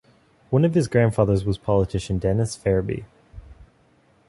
One of his grandfathers was politician Dennis Ferebee.